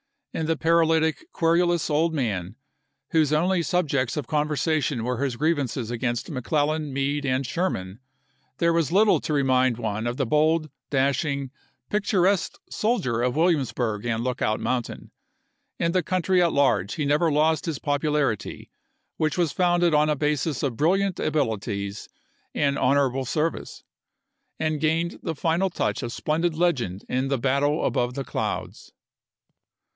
In the paralytic, querulous old man, whose only subjects of conver sation were his grievances against McClellan, Meade, and Sherman, there was little to remind one of the bold, dashing, picturesque soldier of Williamsburg and Lookout Mountain. In the country at large he never lost his popularity, which was founded on a basis of brilliant abilities and honorable service, and gained the final touch of splendid legend in the "battle above the clouds."